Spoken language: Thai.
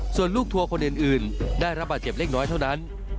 ส่วนลูกทัวร์คนอื่นได้รับบาดเจ็บเล็กน้อยเท่านั้น